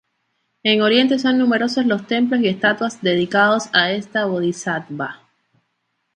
En Oriente son numerosos los templos y estatuas dedicados a esta bodhisattva.